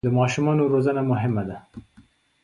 د ماشومانو روزنه مهمه ده.